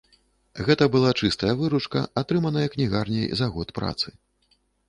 Гэта была чыстая выручка, атрыманая кнігарняй за год працы.